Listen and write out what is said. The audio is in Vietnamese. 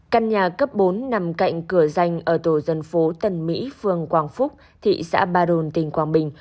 căn nhà cấp bốn nằm cạnh cửa danh ở tổ dân phố tân mỹ phương quang phúc thị xã ba đồn tỉnh quang bình